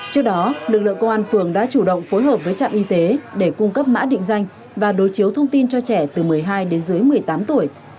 trước đó lực lượng công an phường đã chủ động phối hợp với trạm y tế để cung cấp mã định danh và đối chiếu thông tin cho trẻ từ một mươi hai đến dưới một mươi tám tuổi